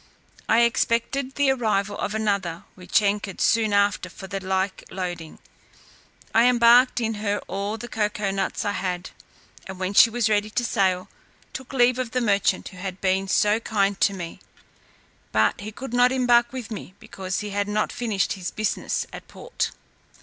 I expected the arrival of another, which anchored soon after for the like loading. I embarked in her all the cocoa nuts I had, and when she was ready to sail, took leave of the merchant who had been so kind to me; but he could not embark with me, because he had not finished his business at the port.